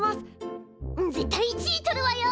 絶対１位取るわよ！